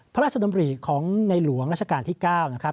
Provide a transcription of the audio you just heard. พระราชดำริของในหลวงราชการที่๙นะครับ